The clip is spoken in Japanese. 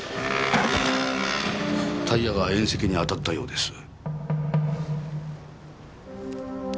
タイヤが縁石にあたったようです。